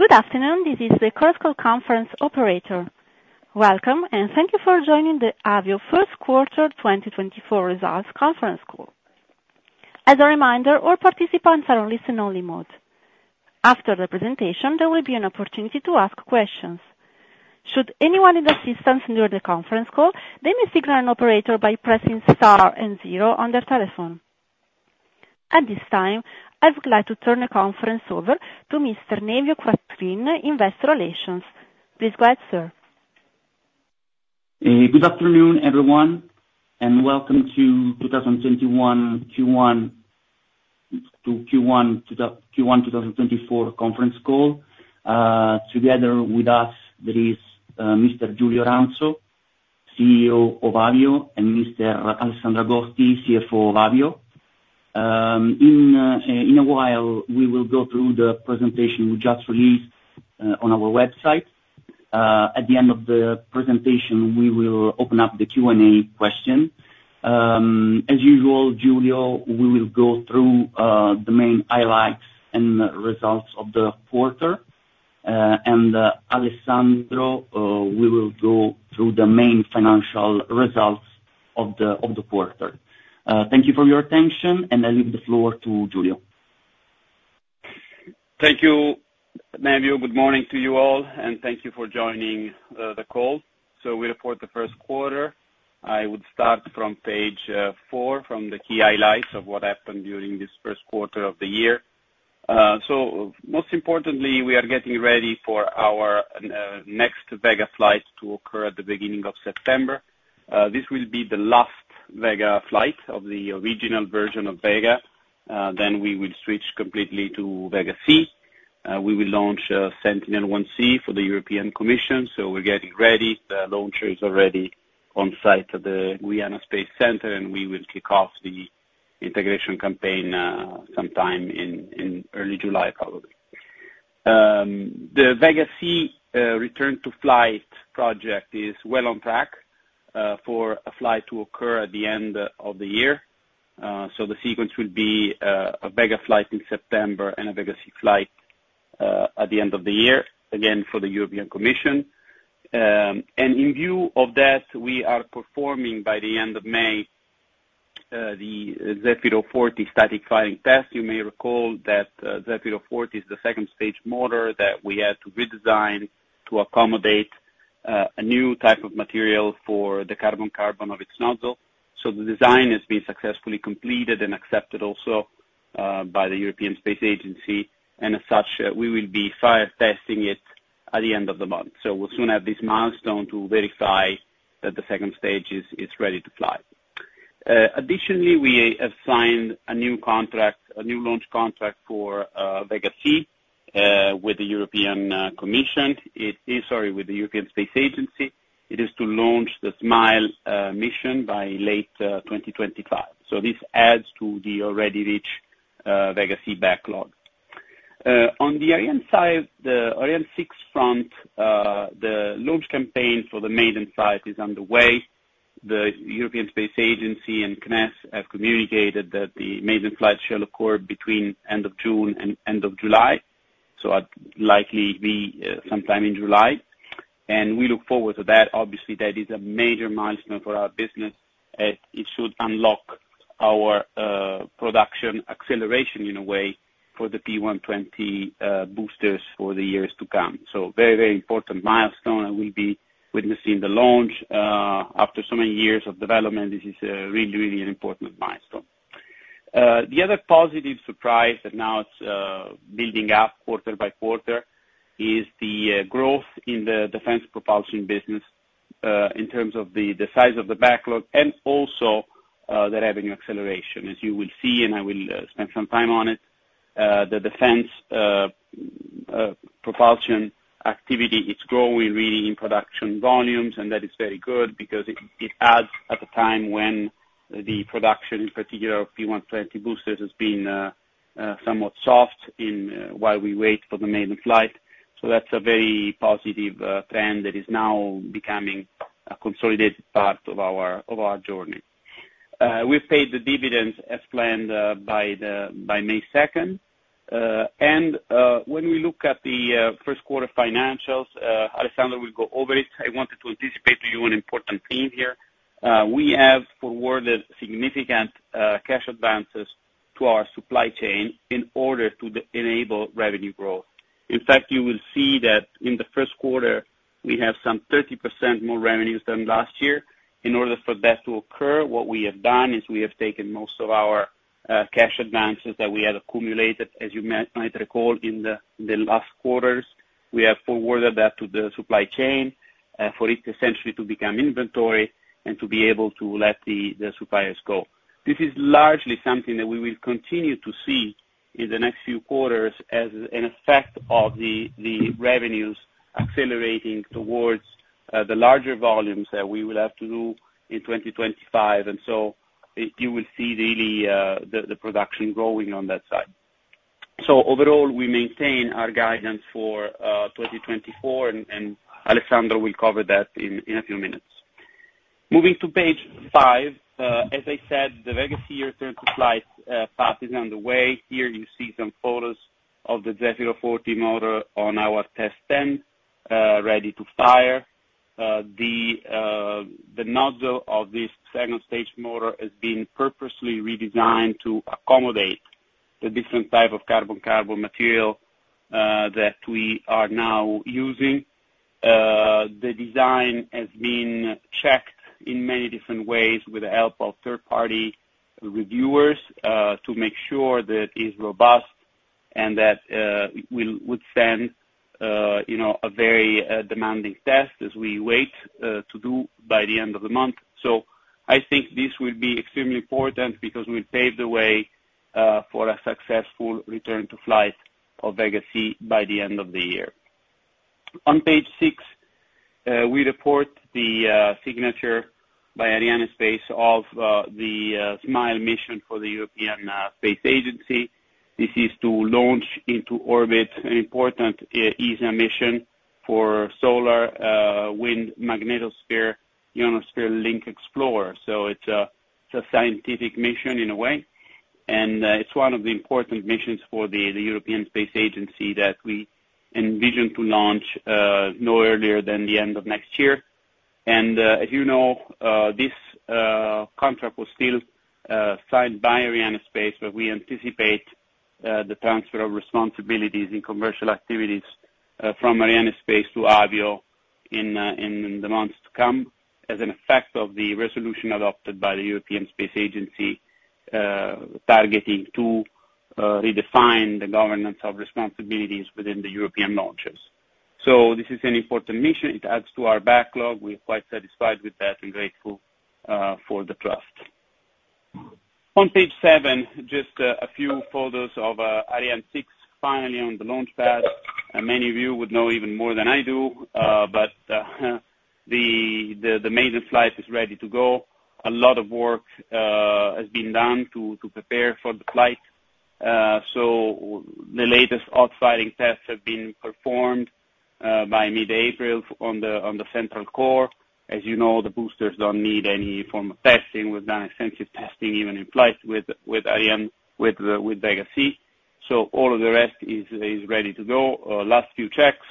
Good afternoon. This is the commercial conference operator. Welcome, and thank you for joining the Avio first quarter 2024 results conference call. As a reminder, all participants are on listen-only mode. After the presentation, there will be an opportunity to ask questions. Should anyone need assistance during the conference call, they may signal an operator by pressing star and zero on their telephone. At this time, I would like to turn the conference over to Mr. Nevio Quattrin, Investor Relations. Please go ahead, sir. Good afternoon, everyone, and welcome to Q1 2024 conference call. Together with us there is Mr. Giulio Ranzo, CEO of Avio, and Mr. Alessandro Agosti, CFO of Avio. In a while, we will go through the presentation we just released on our website. At the end of the presentation, we will open up the Q&A question. As usual, Giulio, we will go through the main highlights and results of the quarter, and Alessandro, we will go through the main financial results of the quarter. Thank you for your attention, and I leave the floor to Giulio. Thank you, Nevio. Good morning to you all, and thank you for joining the call. We report the first quarter. I would start from page four, from the key highlights of what happened during this first quarter of the year. So most importantly, we are getting ready for our next Vega flight to occur at the beginning of September. This will be the last Vega flight of the original version of Vega. Then we will switch completely to Vega C. We will launch Sentinel-1C for the European Commission, so we're getting ready. The launcher is already on site at the Guiana Space Center, and we will kick off the integration campaign sometime in early July, probably. The Vega C return to flight project is well on track for a flight to occur at the end of the year. So the sequence will be, a Vega flight in September and a Vega C flight, at the end of the year, again, for the European Commission. And in view of that, we are performing, by the end of May, the Zefiro 40 static firing test. You may recall that, Zefiro 40 is the second-stage motor that we had to redesign to accommodate, a new type of material for the carbon-carbon of its nozzle. So the design has been successfully completed and accepted also, by the European Space Agency, and as such, we will be fire testing it at the end of the month. So we'll soon have this milestone to verify that the second-stage is ready to fly. Additionally, we have signed a new contract, a new launch contract for, Vega C, with the European, Commission. It is sorry, with the European Space Agency. It is to launch the SMILE mission by late 2025. So this adds to the already rich Vega C backlog. On the Ariane side, the Ariane 6 front, the launch campaign for the maiden flight is underway. The European Space Agency and CNES have communicated that the maiden flight shall occur between end of June and end of July, so that likely be sometime in July, and we look forward to that. Obviously, that is a major milestone for our business, it should unlock our production acceleration in a way, for the P120 boosters for the years to come. So very, very important milestone, and we'll be witnessing the launch. After so many years of development, this is really, really an important milestone. The other positive surprise that now it's building up quarter-by-quarter is the growth in the defense propulsion business in terms of the size of the backlog and also the revenue acceleration. As you will see, and I will spend some time on it, the defense propulsion activity is growing really in production volumes, and that is very good because it adds at the time when the production, in particular P120 boosters, has been somewhat soft while we wait for the maiden flight. So that's a very positive trend that is now becoming a consolidated part of our journey. We've paid the dividends as planned by May 2nd. And when we look at the first quarter financials, Alessandro will go over it. I wanted to anticipate to you an important theme here. We have forwarded significant cash advances to our supply chain in order to enable revenue growth. In fact, you will see that in the first quarter, we have some 30% more revenues than last year. In order for that to occur, what we have done is we have taken most of our cash advances that we had accumulated, as you might recall, in the last quarters. We have forwarded that to the supply chain for it essentially to become inventory and to be able to let the suppliers go. This is largely something that we will continue to see in the next few quarters as an effect of the revenues accelerating towards the larger volumes that we will have to do in 2025, and so you will see really the production growing on that side. So overall, we maintain our guidance for 2024, and Alessandro will cover that in a few minutes. Moving to page five, as I said, the Vega C return to flight path is on the way. Here you see some photos of the Zefiro 40 motor on our test stand, ready to fire. The nozzle of this second-stage motor has been purposely redesigned to accommodate the different type of carbon-carbon material that we are now using. The design has been checked in many different ways with the help of third-party reviewers, to make sure that it's robust and that we would stand, you know, a very demanding test as we wait to do by the end of the month. So I think this will be extremely important because we'll pave the way for a successful return to flight of Vega C by the end of the year. On page six, we report the signature by Arianespace of the SMILE mission for the European Space Agency. This is to launch into orbit an important ESA mission for Solar Wind Magnetosphere Ionosphere Link Explorer. So it's a scientific mission in a way, and it's one of the important missions for the European Space Agency that we envision to launch no earlier than the end of next year. And as you know, this contract was still signed by Arianespace, but we anticipate the transfer of responsibilities in commercial activities from Arianespace to Avio in the months to come, as an effect of the resolution adopted by the European Space Agency targeting to redefine the governance of responsibilities within the European launches. So this is an important mission. It adds to our backlog. We're quite satisfied with that and grateful for the trust. On page seven, just a few photos of Ariane 6, finally on the launch pad. Many of you would know even more than I do, but the maiden flight is ready to go. A lot of work has been done to prepare for the flight. So the latest hot firing tests have been performed by mid-April on the central core. As you know, the boosters don't need any form of testing. We've done extensive testing, even in flight with Ariane, with Vega C. So all of the rest is ready to go. Last few checks,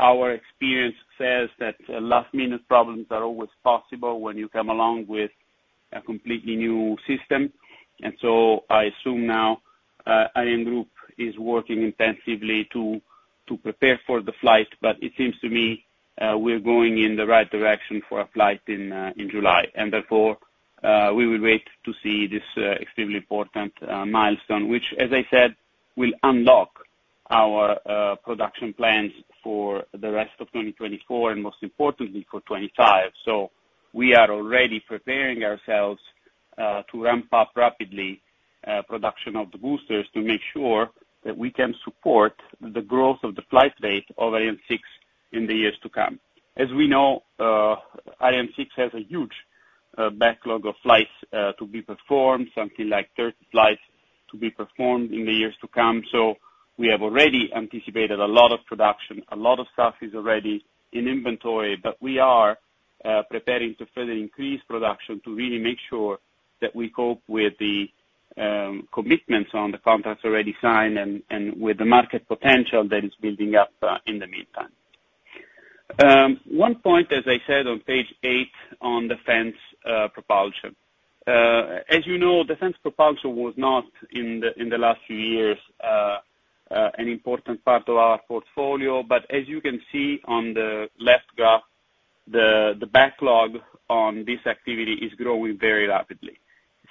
our experience says that last minute problems are always possible when you come along with a completely new system. I assume now ArianeGroup is working intensively to prepare for the flight, but it seems to me we're going in the right direction for a flight in July. Therefore, we will wait to see this extremely important milestone, which, as I said, will unlock our production plans for the rest of 2024 and most importantly, for 2025. So we are already preparing ourselves to ramp up rapidly production of the boosters to make sure that we can support the growth of the flight rate of Ariane 6 in the years to come. As we know, Ariane 6 has a huge backlog of flights to be performed, something like 30 flights to be performed in the years to come. So we have already anticipated a lot of production. A lot of stuff is already in inventory, but we are preparing to further increase production to really make sure that we cope with the commitments on the contracts already signed and with the market potential that is building up in the meantime. One point, as I said on page eight, on defense propulsion. As you know, defense propulsion was not in the last few years an important part of our portfolio. But as you can see on the left graph, the backlog on this activity is growing very rapidly.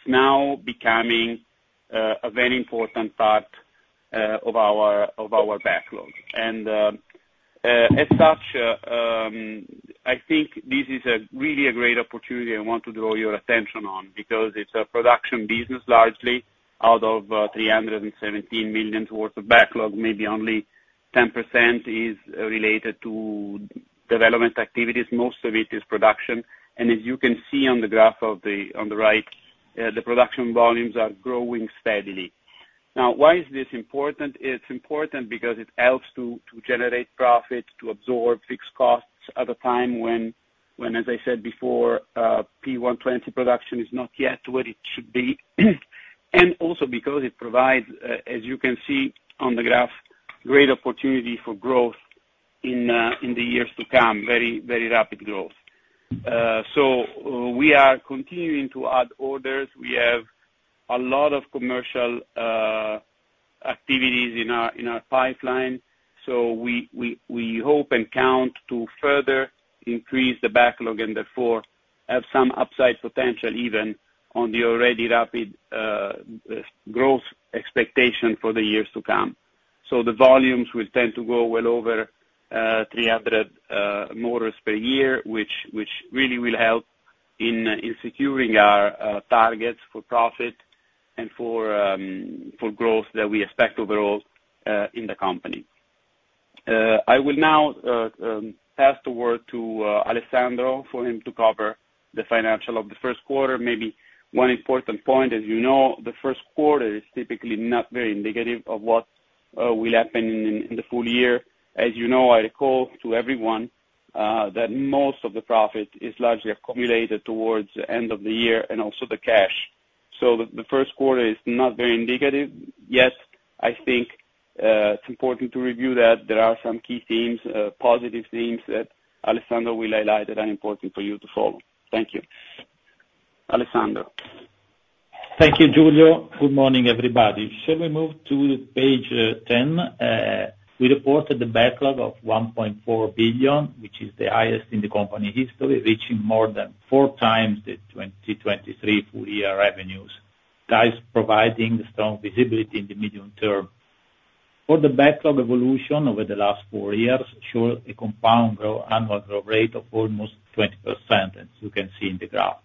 It's now becoming a very important part of our backlog. And, as such, I think this is a really a great opportunity I want to draw your attention on, because it's a production business largely out of 317 million towards the backlog. Maybe only 10% is related to development activities. Most of it is production. And as you can see on the graph on the right, the production volumes are growing steadily. Now, why is this important? It's important because it helps to generate profit, to absorb fixed costs at a time when, as I said before, P120 production is not yet where it should be. And also because it provides, as you can see on the graph, great opportunity for growth in the years to come, very, very rapid growth. So, we are continuing to add orders. We have a lot of commercial activities in our pipeline, so we hope and count to further increase the backlog and therefore have some upside potential even on the already rapid growth expectation for the years to come. So the volumes will tend to go well over 300 motors per year, which really will help in securing our targets for profit and for growth that we expect overall in the company. I will now pass the word to Alessandro for him to cover the financials of the first quarter. Maybe one important point, as you know, the first quarter is typically not very indicative of what will happen in the full year. As you know, I recall to everyone that most of the profit is largely accumulated towards the end of the year, and also the cash. So the first quarter is not very indicative. Yet, I think it's important to review that there are some key themes, positive themes, that Alessandro will highlight, that are important for you to follow. Thank you. Alessandro? Thank you, Giulio. Good morning, everybody. Shall we move to page 10? We reported the backlog of 1.4 billion, which is the highest in the company history, reaching more than 4x the 2023 full year revenues, thus providing strong visibility in the medium term. For the backlog evolution over the last four years show a compound annual growth rate of almost 20%, as you can see in the graph.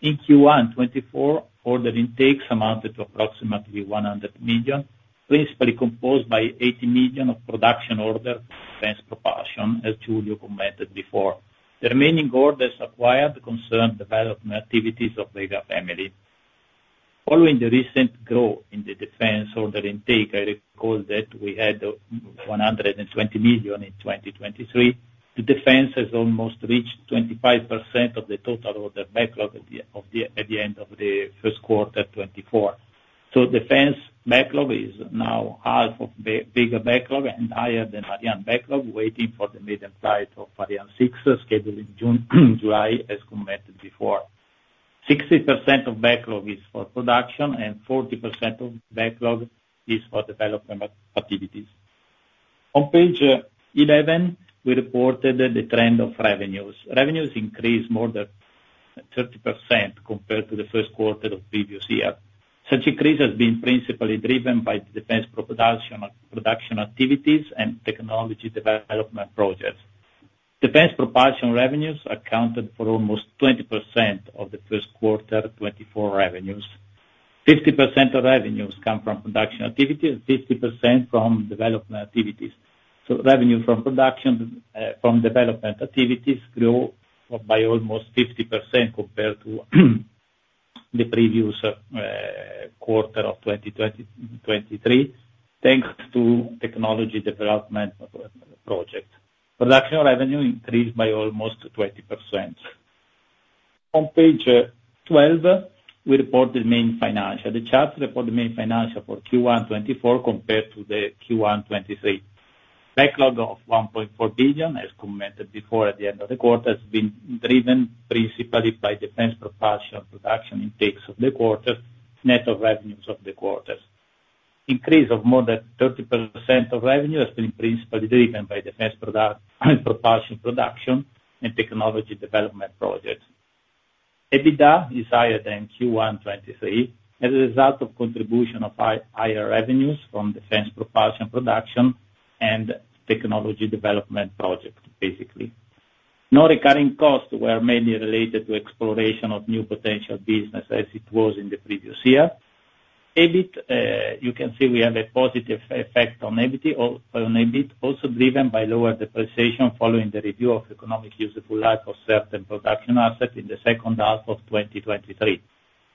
In Q1 2024, order intakes amounted to approximately 100 million, principally composed by 80 million of production order defense propulsion, as Giulio commented before. The remaining orders acquired concern development activities of Vega family. Following the recent growth in the defense order intake, I recall that we had 120 million in 2023. The defense has almost reached 25% of the total order backlog at the end of the first quarter 2024. So defense backlog is now half of the bigger backlog and higher than Ariane backlog, waiting for the maiden flight of Ariane 6, scheduled in June-July, as commented before. 60% of backlog is for production, and 40% of backlog is for development activities. On page 11, we reported the trend of revenues. Revenues increased more than 30% compared to the first quarter of previous year. Such increase has been principally driven by defense propulsion, production activities and technology development projects. Defense propulsion revenues accounted for almost 20% of the first quarter 2024 revenues. 50% of revenues come from production activity and 50% from development activities. So revenue from production, from development activities grew by almost 50% compared to the previous, quarter of 2023, thanks to technology development project. Production revenue increased by almost 20%. On page 12, we report the main financial. The charts report the main financial for Q1 2024 compared to the Q1 2023. Backlog of 1.4 billion, as commented before at the end of the quarter, has been driven principally by defense propulsion production intakes of the quarter, net of revenues of the quarter. Increase of more than 30% of revenue has been principally driven by defense product propulsion production and technology development projects. EBITDA is higher than Q1 2023, as a result of contribution of higher revenues from defense propulsion production and technology development project, basically. No recurring costs were mainly related to exploration of new potential business as it was in the previous year. EBIT, you can see we have a positive effect on EBIT, on EBIT, also driven by lower depreciation following the review of economic usable life of certain production assets in the second half of 2023,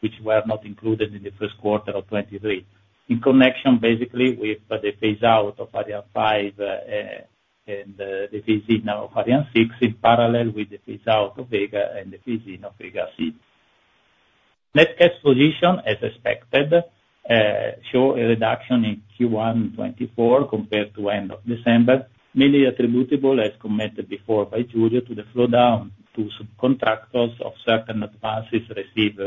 which were not included in the first quarter of 2023. In connection, basically, with the phase out of Ariane 5, and, the phasing out of Ariane 6, in parallel with the phase out of Vega and the phasing of Vega-C. Net cash position, as expected, shows a reduction in Q1 2024 compared to end of December, mainly attributable, as commented before by Giulio, to the slowdown to subcontractors of certain advances received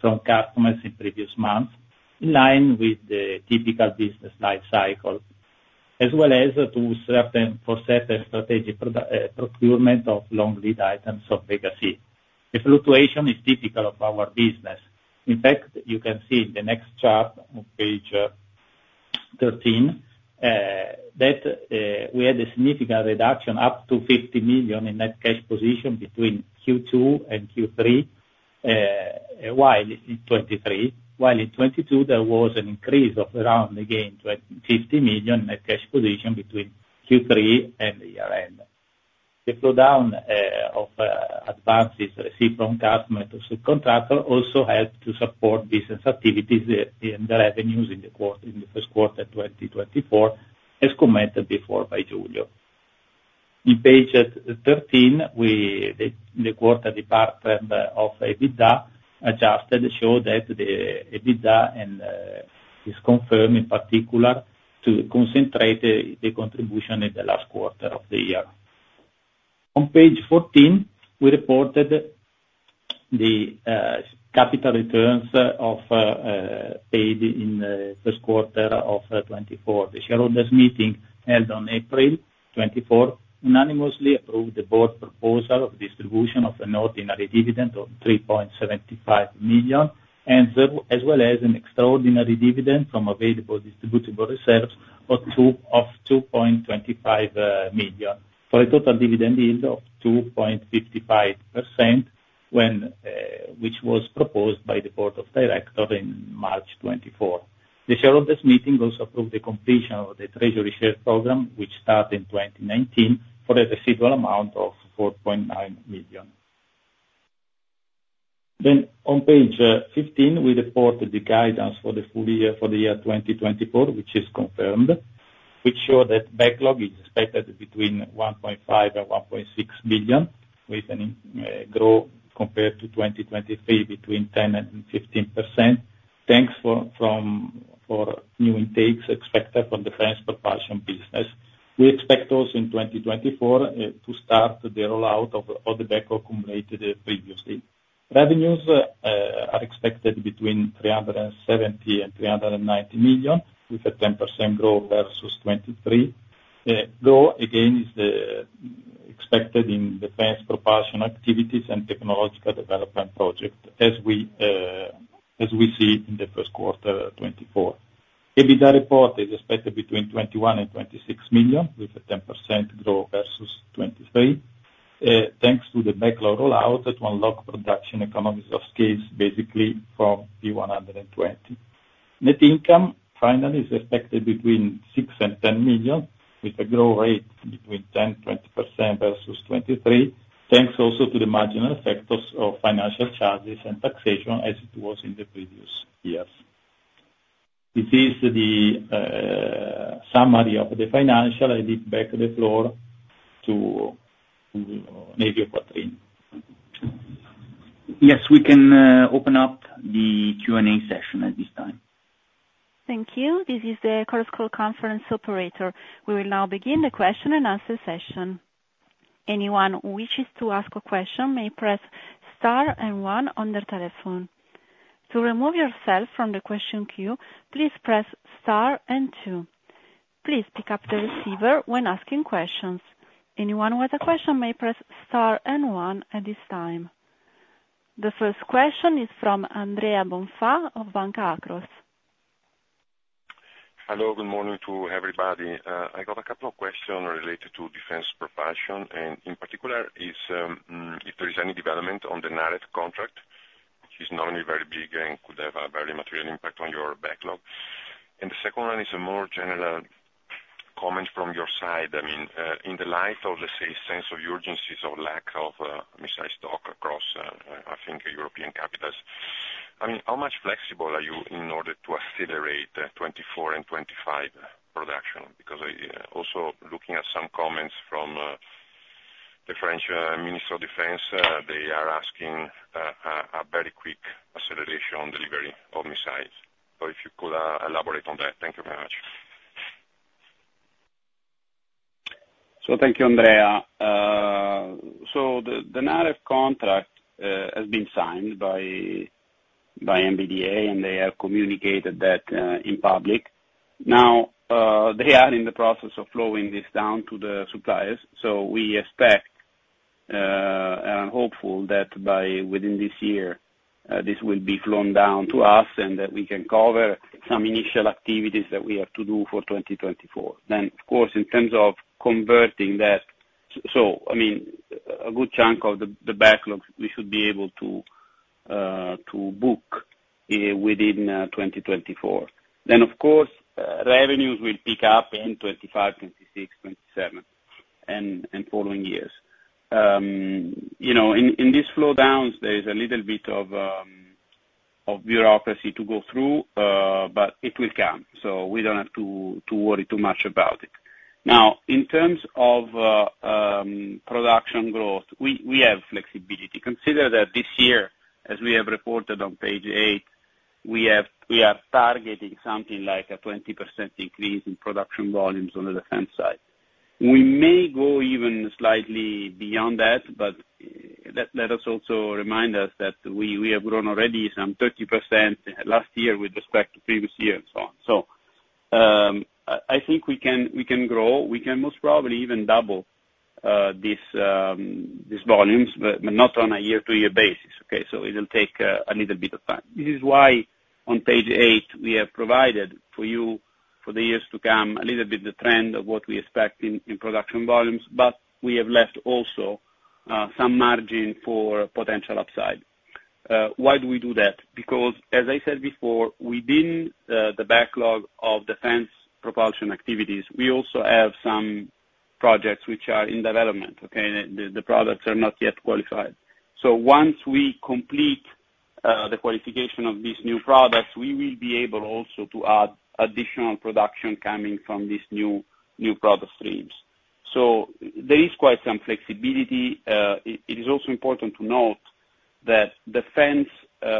from customers in previous months, in line with the typical business life cycle, as well as to certain, for certain strategic procurement of long lead items of Vega C. The fluctuation is typical of our business. In fact, you can see in the next chart on page 13 that we had a significant reduction up to 50 million in net cash position between Q2 and Q3 2023. While in 2022, there was an increase of around again, 50 million in net cash position between Q3 and the year end. The slowdown of advances received from customer to subcontractor also helped to support business activities and the revenues in the quarter, in the first quarter 2024, as commented before by Giulio. In page 13, we, the quarterly development of adjusted EBITDA shows that the EBITDA and is confirmed in particular to concentrate the contribution in the last quarter of the year. On page 14, we reported the CapEx paid in the first quarter of 2024. The Shareholders' Meeting, held on April 24, 2024, unanimously approved the Board proposal of distribution of an ordinary dividend of 3.75 million, as well as an extraordinary dividend from available distributable reserves of 2.25 million, for a total dividend yield of 2.55%, which was proposed by the Board of Directors in March 2024. The shareholders' meeting also approved the completion of the treasury share program, which started in 2019, for a residual amount of 4.9 million.... Then on page 15, we reported the guidance for the full year for the year 2024, which is confirmed, which show that backlog is expected between 1.5 billion and 1.6 billion, with an growth compared to 2023, between 10% and 15%. Thanks to new intakes expected from the defense propulsion business. We expect also in 2024 to start the rollout of the backlog accumulated previously. Revenues are expected between 370 million and 390 million, with a 10% growth versus 2023. Growth, again, is expected in defense propulsion activities and technological development project as we see in the first quarter of 2024. EBITDA report is expected between 21 million and 26 million, with 10% growth versus 2023, thanks to the backlog rollout that will unlock production economies of scale, basically, from the P120. Net income, finally, is expected between 6 million and 10 million, with a growth rate between 10%-20% versus 2023, thanks also to the marginal effects of financial charges and taxation as it was in the previous years. This is the summary of the financial. I give back the floor to Nevio Quattrin. Yes, we can open up the Q&A session at this time. Thank you. This is the commercial conference operator. We will now begin the question and answer session. Anyone who wishes to ask a question may press star and one on their telephone. To remove yourself from the question queue, please press star and two. Please pick up the receiver when asking questions. Anyone with a question may press star and one at this time. The first question is from Andrea Bonfà of Banca Akros. Hello, good morning to everybody. I got a couple of questions related to defense propulsion, and in particular, if there is any development on the NAREW contract, which is normally very big and could have a very material impact on your backlog? And the second one is a more general comment from your side. I mean, in the light of, let's say, sense of urgencies or lack of, I think European capitals. I mean, how much flexible are you in order to accelerate the 2024 and 2025 production? Because I also looking at some comments from the French Minister of Defense, they are asking a very quick acceleration on delivery of missiles. So if you could elaborate on that. Thank you very much. So thank you, Andrea. So the NAREW contract has been signed by MBDA, and they have communicated that in public. Now, they are in the process of flowing this down to the suppliers, so we expect, and I'm hopeful that by within this year, this will be flown down to us, and that we can cover some initial activities that we have to do for 2024. Then, of course, in terms of converting that, so, I mean, a good chunk of the backlog, we should be able to book within 2024. Then, of course, revenues will pick up in 2025, 2026, 2027, and following years. You know, in these flow downs, there is a little bit of bureaucracy to go through, but it will come, so we don't have to worry too much about it. Now, in terms of production growth, we have flexibility. Consider that this year, as we have reported on page eight, we are targeting something like a 20% increase in production volumes on the defense side. We may go even slightly beyond that, but let us also remind us that we have grown already some 30% last year with respect to previous year, and so on. So, I think we can grow, we can most probably even double these volumes, but not on a year-to-year basis, okay? So it'll take a little bit of time. This is why on page eight, we have provided for you, for the years to come, a little bit the trend of what we expect in production volumes, but we have left also some margin for potential upside. Why do we do that? Because, as I said before, within the backlog of defense propulsion activities, we also have some projects which are in development, okay? The products are not yet qualified. So once we complete the qualification of these new products, we will be able also to add additional production coming from these new product streams. So there is quite some flexibility. It is also important to note that defense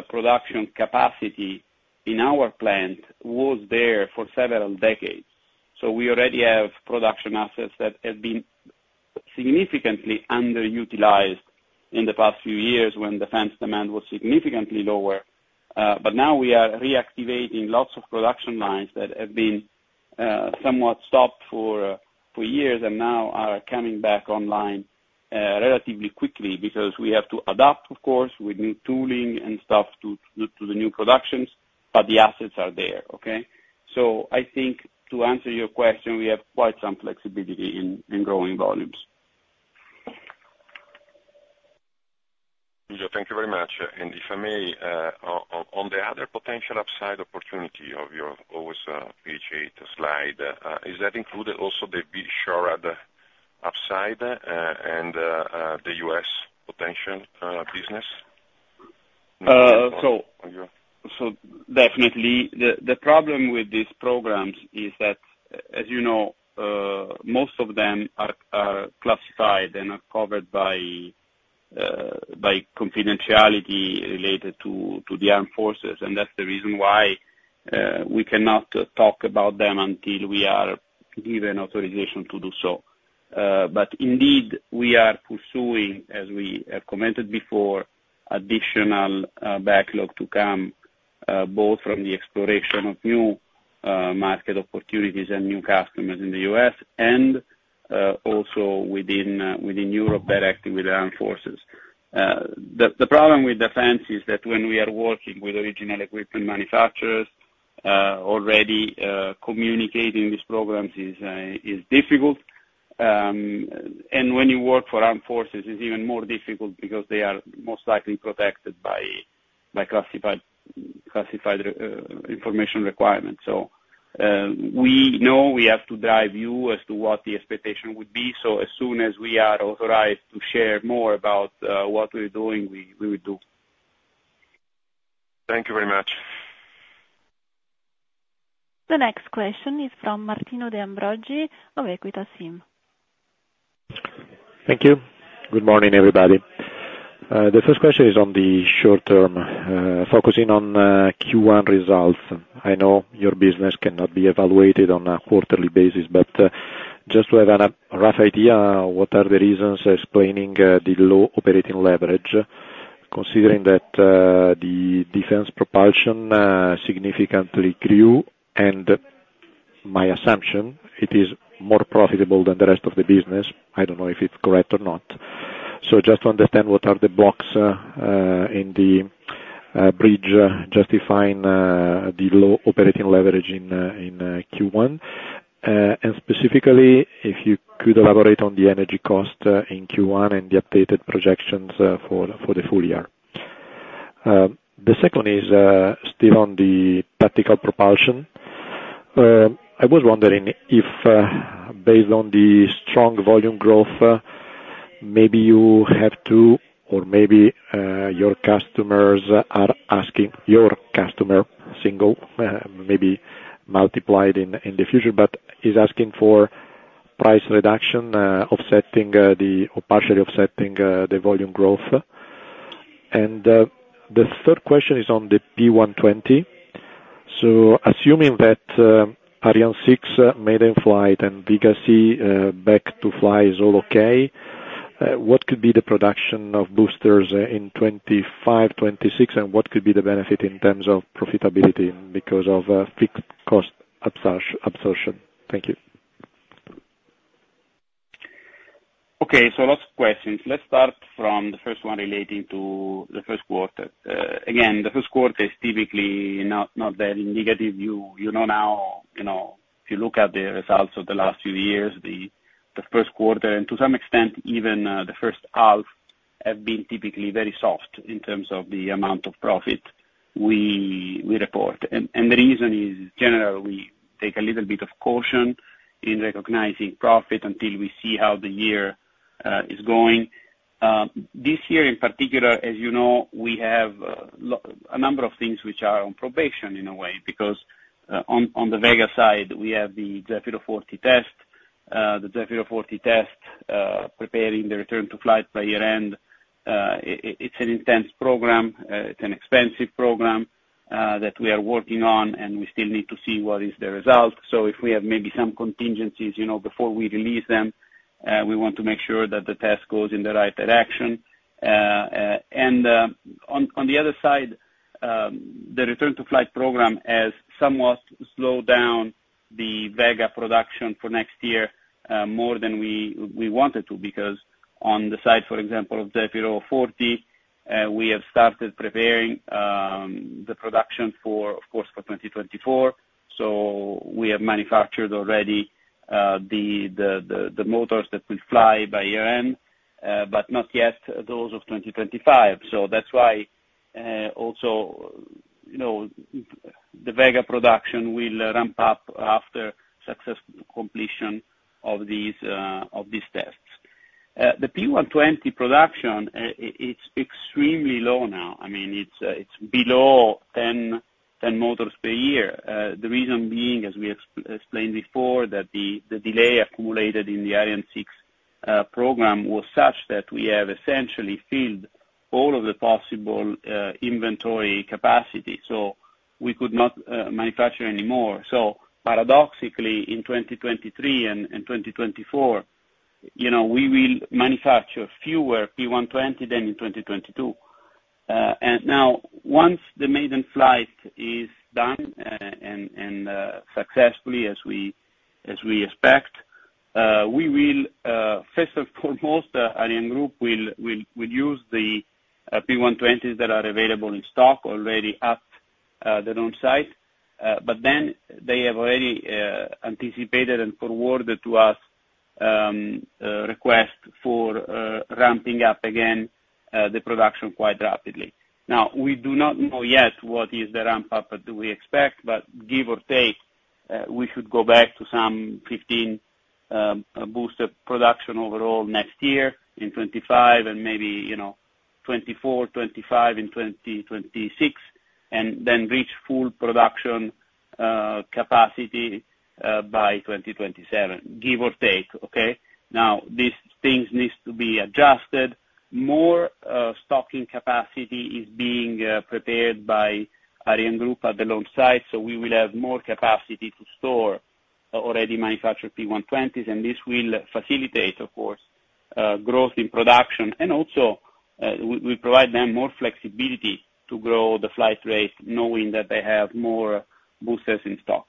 production capacity in our plant was there for several decades. So we already have production assets that have been significantly underutilized in the past few years when defense demand was significantly lower. But now we are reactivating lots of production lines that have been somewhat stopped for years, and now are coming back online relatively quickly, because we have to adapt, of course, with new tooling and stuff to the new productions, but the assets are there, okay? So I think to answer your question, we have quite some flexibility in growing volumes. Thank you very much. And if I may, on the other potential upside opportunity of your also page eight slide, is that included also the VSHORAD upside, and the U.S. potential business? So definitely. The problem with these programs is that, as you know, most of them are classified and are covered by confidentiality related to the armed forces, and that's the reason why we cannot talk about them until we are given authorization to do so. But indeed, we are pursuing, as we have commented before, additional backlog to come both from the exploration of new market opportunities and new customers in the U.S., and also within Europe, directly with the armed forces. The problem with defense is that when we are working with original equipment manufacturers, already communicating these programs is difficult. And when you work for armed forces, it's even more difficult, because they are most likely protected by classified information requirements. We know we have to guide you as to what the expectation would be, so as soon as we are authorized to share more about what we're doing, we will do. Thank you very much. The next question is from Martino De Ambroggi of EQUITA SIM. Thank you. Good morning, everybody. The first question is on the short term, focusing on Q1 results. I know your business cannot be evaluated on a quarterly basis, but just to have a rough idea, what are the reasons explaining the low operating leverage, considering that the defense propulsion significantly grew, and my assumption, it is more profitable than the rest of the business? I don't know if it's correct or not. So just to understand, what are the blocks in the bridge justifying the low operating leverage in Q1? And specifically, if you could elaborate on the energy cost in Q1 and the updated projections for the full year. The second is still on the tactical propulsion. I was wondering if, based on the strong volume growth, maybe you have to, or maybe, your customers are asking, your customer, single, maybe multiplied in, in the future, but is asking for price reduction, offsetting, or partially offsetting, the volume growth. The third question is on the P120. So assuming that, Ariane 6 maiden flight and Vega C back to fly is all okay, what could be the production of boosters in 2025, 2026, and what could be the benefit in terms of profitability, because of fixed cost absorption? Thank you. Okay, so lots of questions. Let's start from the first one relating to the first quarter. Again, the first quarter is typically not, not very negative. You, you know now, you know, if you look at the results of the last few years, the, the first quarter, and to some extent, even, the first half, have been typically very soft in terms of the amount of profit we, we report. And, and the reason is, generally, we take a little bit of caution in recognizing profit until we see how the year, is going. This year in particular, as you know, we have, a number of things which are on probation in a way, because, on, on the Vega side, we have the Zefiro 40 test, the Zefiro 40 test, preparing the return to flight by year-end. It's an intense program, it's an expensive program that we are working on, and we still need to see what is the result. So if we have maybe some contingencies, you know, before we release them, we want to make sure that the test goes in the right direction. And on the other side, the return to flight program has somewhat slowed down the Vega production for next year, more than we wanted to, because on the side, for example, of Zefiro 40, we have started preparing the production for, of course, for 2024. So we have manufactured already the motors that will fly by year-end, but not yet those of 2025. So that's why, also, you know, the Vega production will ramp up after success completion of these, of these tests. The P120 production, it's extremely low now. I mean, it's below 10, 10 motors per year. The reason being, as we explained before, that the delay accumulated in the Ariane 6 program was such that we have essentially filled all of the possible inventory capacity, so we could not manufacture any more. So paradoxically, in 2023 and 2024, you know, we will manufacture fewer P120 than in 2022. And now, once the maiden flight is done, and successfully, as we expect, we will first and foremost, ArianeGroup will use the P120s that are available in stock already at their own site. But then they have already anticipated and forwarded to us a request for ramping up the production quite rapidly. Now, we do not know yet what is the ramp-up that we expect, but give or take, we should go back to some 15 booster production overall next year, in 2025, and maybe, you know, 2024, 2025, in 2026, and then reach full production capacity by 2027. Give or take, okay? Now, these things needs to be adjusted. More stocking capacity is being prepared by ArianeGroup at the launch site, so we will have more capacity to store already manufactured P120s, and this will facilitate, of course, growth in production, and also, we provide them more flexibility to grow the flight rate, knowing that they have more boosters in stock.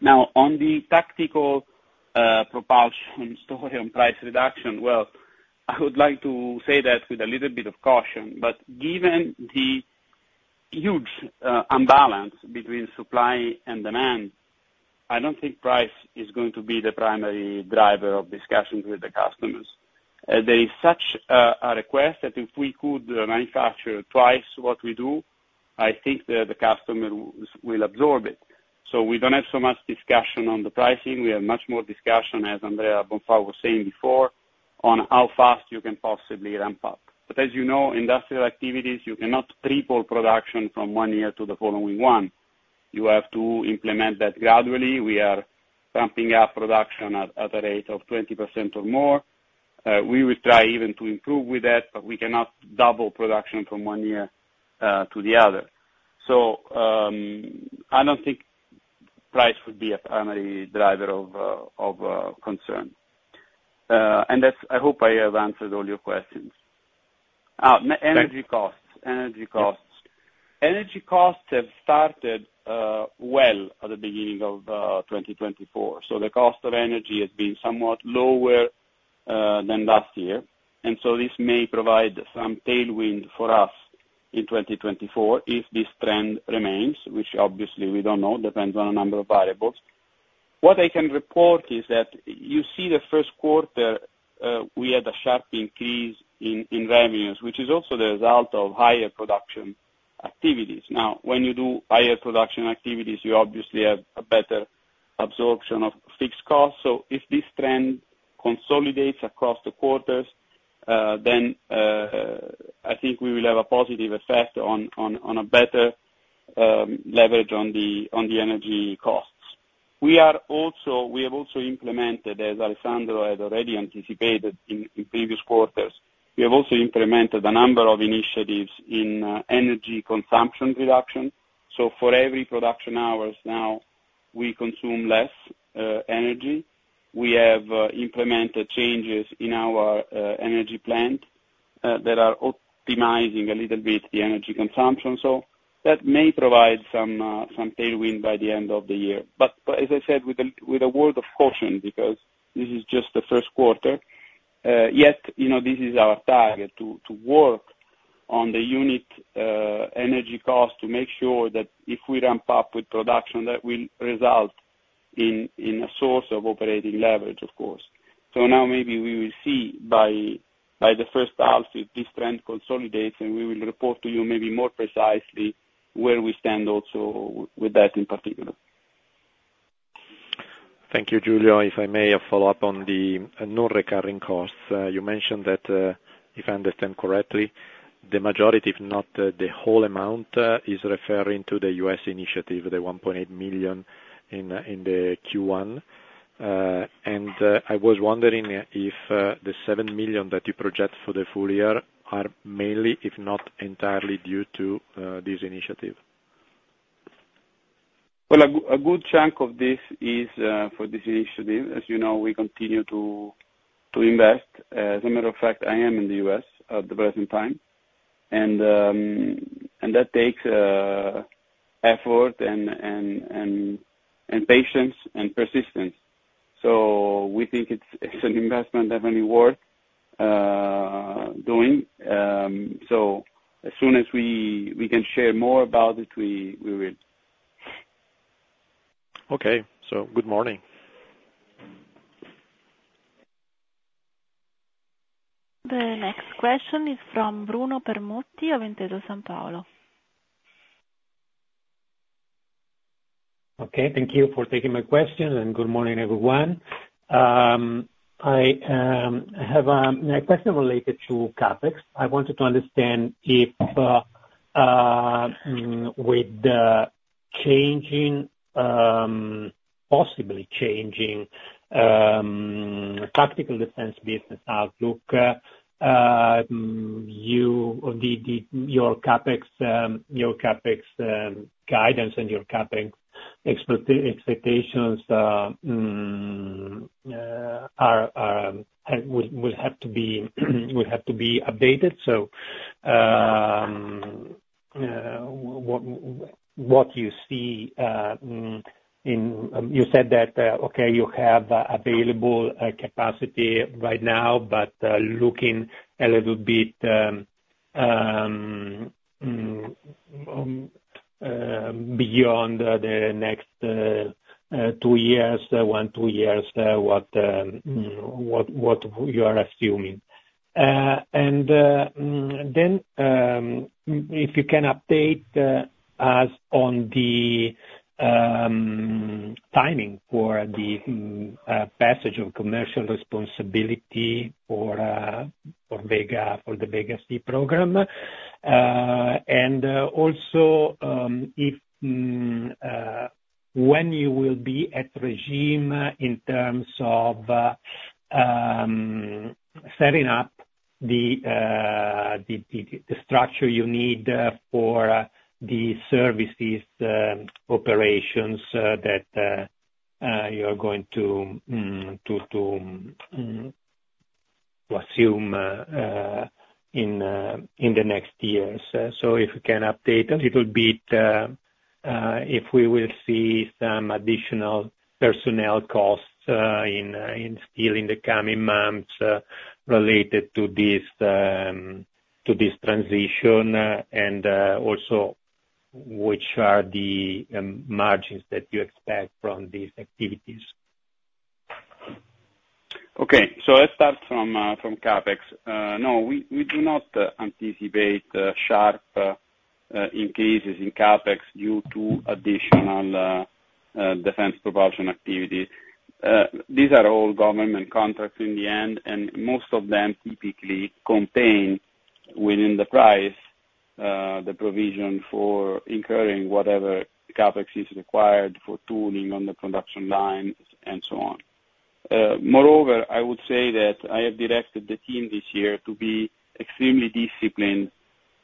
Now, on the tactical, propulsion story on price reduction, well, I would like to say that with a little bit of caution, but given the huge, imbalance between supply and demand, I don't think price is going to be the primary driver of discussions with the customers. There is such, a request that if we could manufacture twice what we do, I think the, the customer will, will absorb it. So we don't have so much discussion on the pricing. We have much more discussion, as Andrea Bonfà was saying before, on how fast you can possibly ramp up. But as you know, industrial activities, you cannot triple production from one year to the following one. You have to implement that gradually. We are ramping up production at, a rate of 20% or more. We will try even to improve with that, but we cannot double production from one year to the other. So, I don't think price would be a primary driver of concern. And that's. I hope I have answered all your questions. Energy costs. Thank- Energy costs. Yes. Energy costs have started, well at the beginning of 2024. So the cost of energy has been somewhat lower than last year, and so this may provide some tailwind for us in 2024, if this trend remains, which obviously we don't know, depends on a number of variables. What I can report is that you see the first quarter, we had a sharp increase in revenues, which is also the result of higher production activities. Now, when you do higher production activities, you obviously have a better absorption of fixed costs. So if this trend consolidates across the quarters, then I think we will have a positive effect on a better leverage on the energy costs. We have also implemented, as Alessandro had already anticipated in previous quarters, we have also implemented a number of initiatives in energy consumption reduction. So for every production hours now, we consume less energy. We have implemented changes in our energy plant that are optimizing a little bit the energy consumption. So that may provide some tailwind by the end of the year. But as I said, with a word of caution, because this is just the first quarter. Yet, you know, this is our target to work on the unit energy costs, to make sure that if we ramp up with production, that will result in a source of operating leverage, of course. Now maybe we will see by the first half, if this trend consolidates, and we will report to you maybe more precisely where we stand also with that in particular. Thank you, Giulio. If I may follow up on the non-recurring costs. You mentioned that, if I understand correctly, the majority, if not the whole amount, is referring to the U.S. initiative, the 1.8 million in the Q1. And I was wondering if the 7 million that you project for the full year are mainly, if not entirely due to this initiative? Well, a good chunk of this is for this initiative. As you know, we continue to invest. As a matter of fact, I am in the U.S. at the present time, and that takes effort and patience and persistence. So we think it's an investment definitely worth doing. So as soon as we can share more about it, we will. Okay. Good morning. The next question is from Bruno Permutti, Intesa Sanpaolo. Okay, thank you for taking my question, and good morning, everyone. I have a question related to CapEx. I wanted to understand if, with the changing, possibly changing, practical defense business outlook, your CapEx guidance and your CapEx expectations would have to be updated. So, what you see in... You said that, okay, you have available capacity right now, but looking a little bit beyond the next two years, one, two years, what you are assuming? If you can update us on the timing for the passage of commercial responsibility for Vega for the Vega C program. And also, when you will be at regime in terms of setting up the structure you need for the services operations that you are going to assume in the next years. So if you can update a little bit if we will see some additional personnel costs still in the coming months related to this transition, and also which are the margins that you expect from these activities? Okay, so let's start from CapEx. No, we do not anticipate sharp increases in CapEx due to additional defense propulsion activity. These are all government contracts in the end, and most of them typically contain within the price the provision for incurring whatever CapEx is required for tooling on the production lines, and so on. Moreover, I would say that I have directed the team this year to be extremely disciplined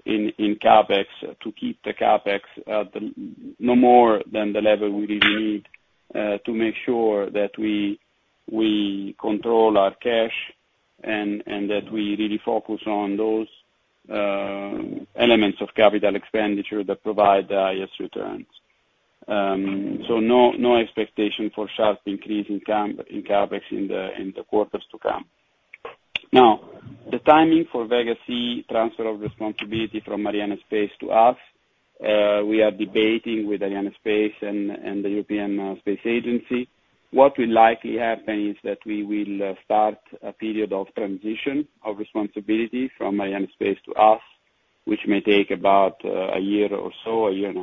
in CapEx, to keep the CapEx at no more than the level we really need to make sure that we control our cash, and that we really focus on those elements of capital expenditure that provide the highest returns. So no expectation for sharp increase in CapEx in the quarters to come. Now, the timing for Vega C transfer of responsibility from Arianespace to us. We are debating with Arianespace and the European Space Agency. What will likely happen is that we will start a period of transition of responsibility from Arianespace to us, which may take about a year or so, a year and a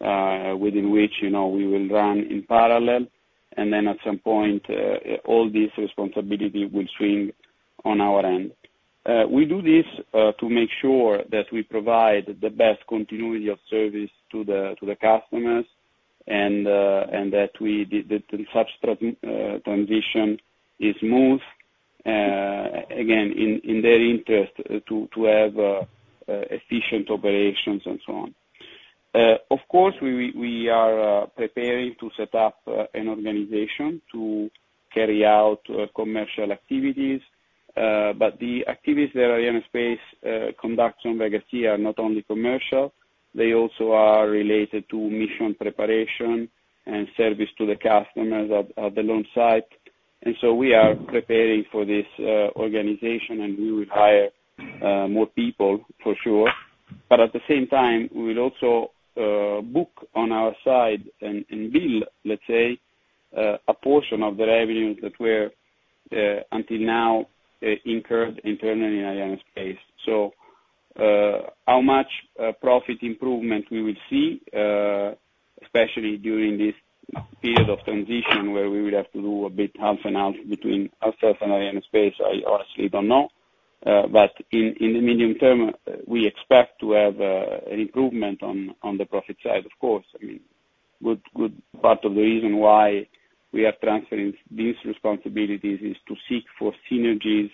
half, within which, you know, we will run in parallel, and then at some point, all this responsibility will swing on our end. We do this to make sure that we provide the best continuity of service to the customers, and that the subsequent transition is smooth, again, in their interest to have efficient operations and so on. Of course, we are preparing to set up an organization to carry out commercial activities, but the activities that Arianespace conducts on Vega C are not only commercial, they also are related to mission preparation and service to the customers at the launch site. And so we are preparing for this organization, and we will hire more people for sure. But at the same time, we will also book on our side and bill, let's say, a portion of the revenues that were until now incurred internally in Arianespace. So, how much profit improvement we will see, especially during this period of transition, where we will have to do a bit half an hour between ourselves and Arianespace? I honestly don't know. But in the medium term, we expect to have an improvement on the profit side, of course. I mean, good part of the reason why we are transferring these responsibilities is to seek for synergies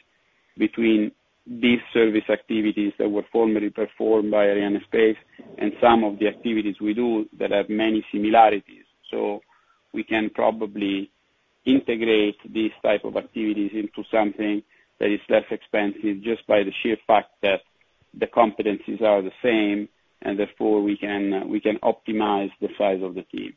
between these service activities that were formerly performed by Arianespace, and some of the activities we do that have many similarities. So we can probably integrate these type of activities into something that is less expensive, just by the sheer fact that the competencies are the same, and therefore we can optimize the size of the team.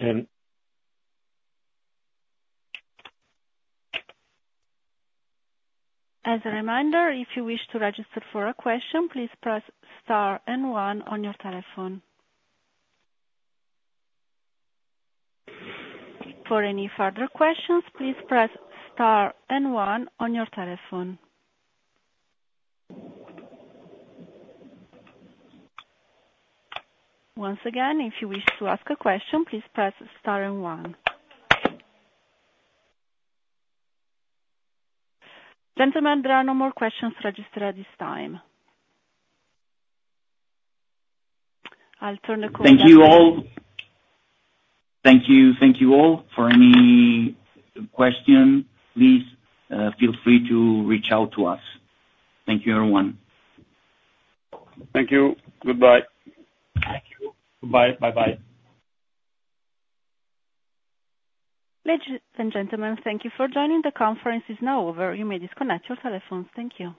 Okay, thank you. As a reminder, if you wish to register for a question, please press star and one on your telephone. For any further questions, please press star and one on your telephone. Once again, if you wish to ask a question, please press star and one. Gentlemen, there are no more questions registered at this time. I'll turn the call back to you. Thank you, all. Thank you, thank you, all. For any question, please, feel free to reach out to us. Thank you, everyone. Thank you. Goodbye. Thank you. Goodbye, bye-bye. Ladies and gentlemen, thank you for joining. The conference is now over, you may disconnect your telephones. Thank you.